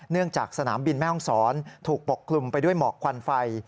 จากสนามบินแม่ห้องศรถูกปกคลุมไปด้วยหมอกควันไฟ